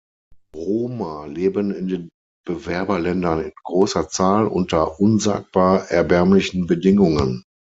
Roma leben in den Bewerberländern in großer Zahl unter unsagbar erbärmlichen Bedingungen.